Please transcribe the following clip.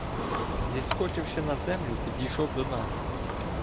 Зіскочивши на землю, підійшов до нас.